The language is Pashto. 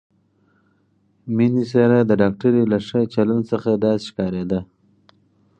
مينې سره د ډاکټرې له ښه چلند څخه داسې ښکارېده.